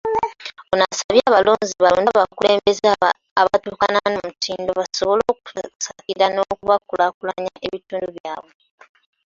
Ono abasabye abalonzi balonde abakulembeze abatuukana n'omutindo basobole okubasakira n'okukulaakulanya ebitundu byabwe.